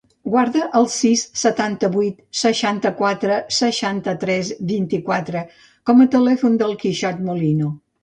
Guarda el sis, setanta-vuit, seixanta-quatre, seixanta-tres, vint-i-quatre com a telèfon del Quixot Molino.